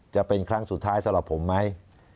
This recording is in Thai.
จะเป็นครั้งสุดท้ายสำหรับผมไหม